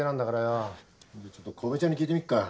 まあちょっと小梅ちゃんに聞いてみっか。